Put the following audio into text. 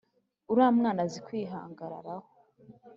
uramwana azi kwihagararaho